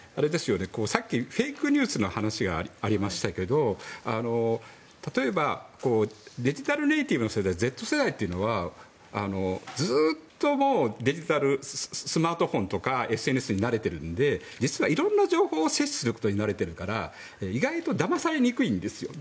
さっきフェイクニュースの話がありましたけど例えば、デジタルネイティブ世代Ｚ世代というのはずっとスマートフォンとかＳＮＳに慣れているので実はいろんな情報に接することに慣れているから意外とだまされにくいんですよ。